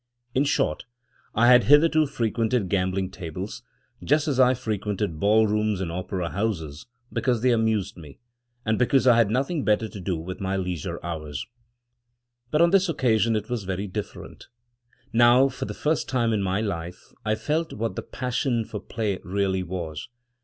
In short, I had hitherto frequented gambling tables — just as I frequented ball rooms and opera houses — because they amused me, and because I had nothing better to do with my leisure hours. But on this occasion it was very different — now, for the first time in my life, I felt what the passion for play really was.